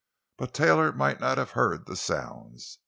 But Taylor might not have heard the sounds.